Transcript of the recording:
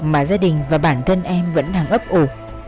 mà gia đình và bản thân em vẫn đang ấp ổ